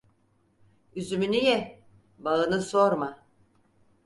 Üzümünü ye, bağını sorma.